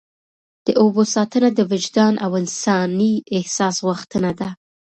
د اوبو ساتنه د وجدان او انساني احساس غوښتنه ده.